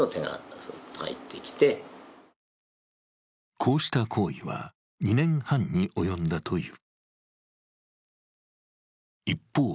こうした行為は２年半に及んだという。